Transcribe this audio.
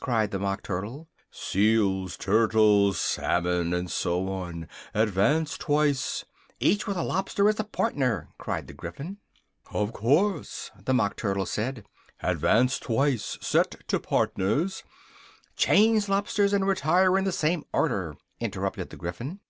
cried the Mock Turtle, "seals, turtles, salmon, and so on advance twice " "Each with a lobster as partner!" cried the Gryphon. "Of course," the Mock Turtle said, "advance twice, set to partners " "Change lobsters, and retire in same order " interrupted the Gryphon.